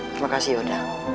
terima kasih oda